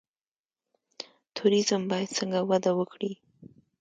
توریزم باید څنګه وده وکړي؟